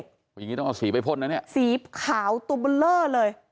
อย่างนี้ต้องเอาสีไปพ่นนะเนี่ยสีขาวตัวเบอร์เลอร์เลย